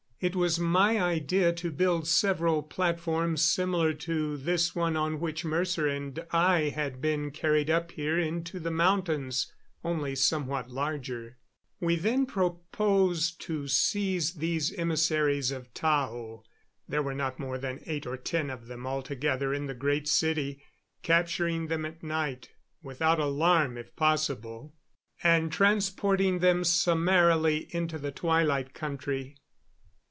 It was my idea to build several platforms similar to this one on which Mercer and I had been carried up here into the mountains, only somewhat larger. We then proposed to seize these emissaries of Tao there were not more than eight or ten of them altogether in the Great City capturing them at night, without alarm, if possible, and transporting them summarily into the Twilight Country.